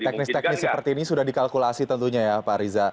teknis teknis seperti ini sudah dikalkulasi tentunya ya pak riza